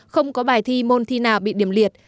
không có bài thi môn thi nào bị điểm liệt